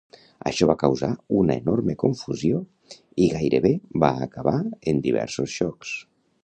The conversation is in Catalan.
Això va causar una enorme confusió, i gairebé va acabar en diversos xocs.